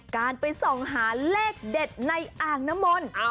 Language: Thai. การไปส่องหาเลขเด็ดในอ่างน้ำมนต์